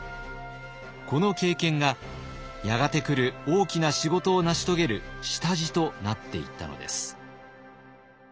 この経験がやがて来る大きな仕事を成し遂げる下地となっていったのです。